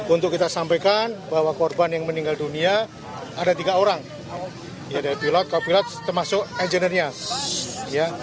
untuk kita sampaikan bahwa korban yang meninggal dunia ada tiga orang pilot pilot termasuk engineernya